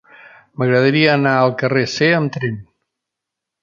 M'agradaria anar al carrer C amb tren.